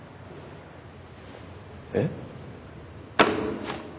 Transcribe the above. えっ？